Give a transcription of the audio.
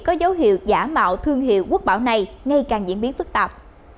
có dấu hiệu giả mạo thương hiệu quốc bảo này ngay càng diễn biến phức tạp